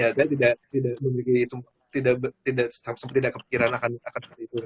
ya saya tidak memiliki tidak tidak tidak tidak kepikiran akan akan menjadi viral